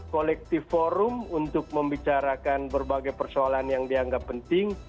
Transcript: collective forum untuk membicarakan berbagai persoalan yang dianggap penting